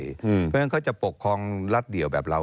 เพราะฉะนั้นเขาจะปกครองรัฐเดี่ยวแบบเรา